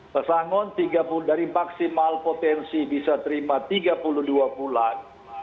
pesangon dari maksimal potensi bisa terima tiga puluh dua bulan